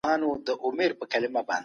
واردات او صادرات اړیکي پراخوي.